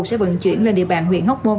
sẽ vận chuyển lên địa bàn huyện ngóc môn